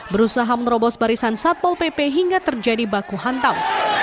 berusaha menerobos barisan satpol pp hingga terjadi baku hantam